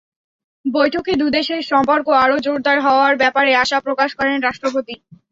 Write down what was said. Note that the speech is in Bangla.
বৈঠকে দুদেশের সম্পর্ক আরও জোরদার হওয়ার ব্যাপারে আশা প্রকাশ করেন রাষ্ট্রপতি।